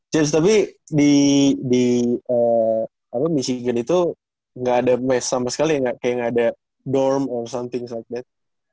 james tapi di di apa michigan itu nggak ada mess sama sekali kayak nggak ada dorm or something like that